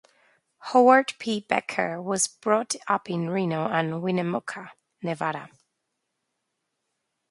Howard P. Becker was brought up in Reno and Winnemucca, Nevada.